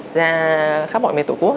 ra khắp mọi miền tổ quốc